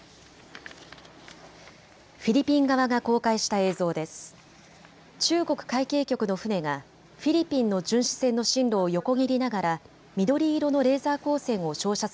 フィリピン側が公開した映像です。